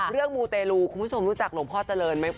มูเตลูคุณผู้ชมรู้จักหลวงพ่อเจริญไหม